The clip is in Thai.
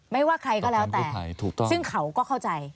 ไม่ว่าใครก็แล้วแต่ซึ่งเขาก็เข้าใจ